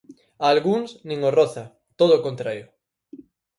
A algúns nin os roza, todo o contrario.